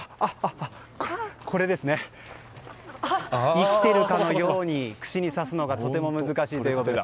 生きているかのように串に刺すのがとても難しいということで。